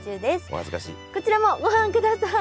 こちらもご覧ください。